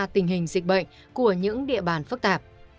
tình hình dịch bệnh của những địa bàn phức tạp